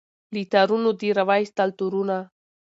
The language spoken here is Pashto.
له تارونو دي را وایستل تورونه